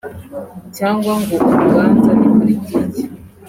cg ngo urubanza ni politiki